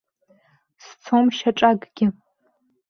Сцом шьаҿакгьы.